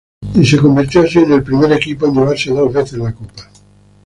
Y se convirtió así en el primer equipo en llevarse dos veces la copa.